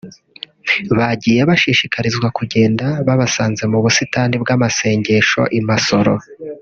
bagiye bashishikarizwa kugenda babasanze mu busitani bw’amasengesho i Masoro